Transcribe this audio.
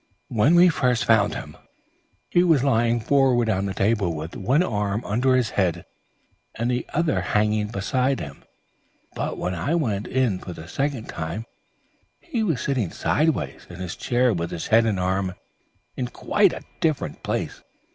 When we first found him, he was lying forward on the table with one arm under his head and the other hanging beside him. When I went in for the second time he was sitting sideways in his chair with his head and arm in quite a different place.